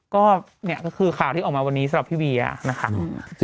ก็เนี่ยก็คือข่าวที่ออกมาวันนี้สำหรับพี่เวียนะคะ